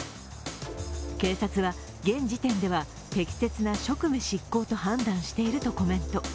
警察は、現時点では適切な職務執行と判断しているとコメント。